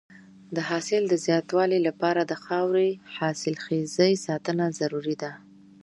د حاصل د زیاتوالي لپاره د خاورې حاصلخېزۍ ساتنه ضروري ده.